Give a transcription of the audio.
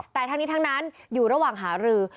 แต่ทั้งนี้ทั้งนั้นอยู่ระหว่างหารือ